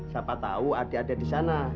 siapa tahu adik adik di sana